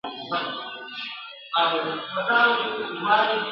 او اوس هم د نړۍ په ځینو برخو کي نه دي